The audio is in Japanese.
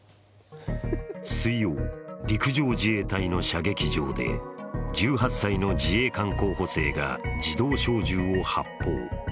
水曜、陸上自衛隊の射撃場で１８歳の自衛官候補生が自動小銃を発砲。